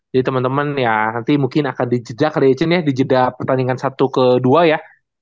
jadi teman teman ya nanti mungkin akan dijeda kali ya can ya dijeda pertandingan satu ke dua ya